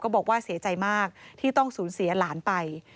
บอกว่าเสียใจมากที่ต้องสูญเสียหลานไป